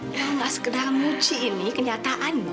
ya nggak sekedar muji ini kenyataan no